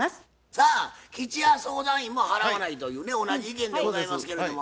さあ吉弥相談員も払わないというね同じ意見でございますけれども。